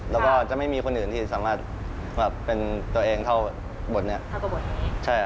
แล้วก็จะไม่มีคนอื่นที่สามารถเป็นตัวเองเท่าบทนี้เท่ากับบทนี้